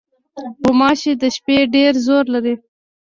غوماشې د شپې ډېر زور لري.